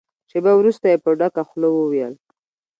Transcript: شېبه وروسته يې په ډکه خوله وويل.